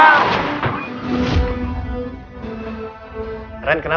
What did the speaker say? luk kasih baca aja